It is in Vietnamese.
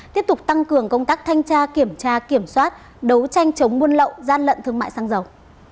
tiếp tục tăng cường công tác thanh tra kiểm tra kiểm soát đấu tranh chống buôn lậu gian lận thương mại xăng dầu